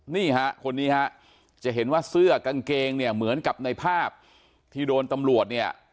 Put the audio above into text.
นี่ฮะคนนี้ฮะจะเห็นว่าเสื้อกางเกงเนี่ยเหมือนกับในภาพที่โดนตำรวจเนี่ย